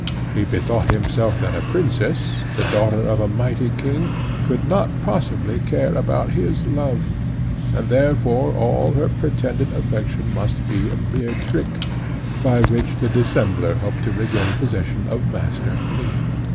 He bethought himself that a Princess, the daughter of a mighty king, could not possibly care about his love, and therefore all her pretended affection must be a mere trick, by which the dissembler hoped to regain possession of Master Flea.